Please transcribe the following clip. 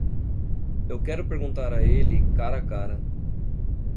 Eu quero perguntar a ele cara a cara.